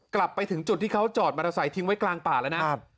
กลับไปถึงจุดที่เขาจอดมอเตอร์ไซค์ทิ้งไว้กลางป่าแล้วนะ